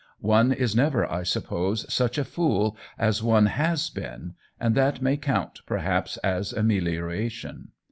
One is never, I suppose, such a fool as one has been, and that may count, perhaps, as amel ioration.